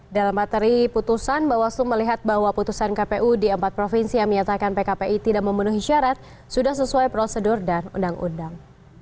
dalam materi putusan bawaslu melihat bahwa putusan kpu di empat provinsi yang menyatakan pkpi tidak memenuhi syarat sudah sesuai prosedur dan undang undang